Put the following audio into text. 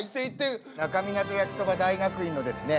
那珂湊焼きそば大学院のですね